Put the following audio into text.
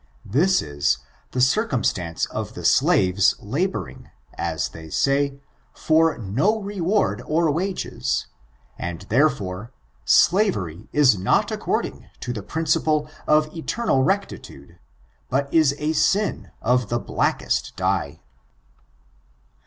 This is, the circumstance of the slaves labor ing, as they say, for no reward or wages ; and, there fore, slavery is not according to the principle of eternal y rectiiudej but is a sin of the blackest dye.